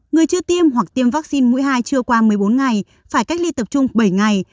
người chưa tiêm hoặc tiêm vaccine mũi hai chưa qua một mươi bốn ngày phải cách ly tập trung bảy ngày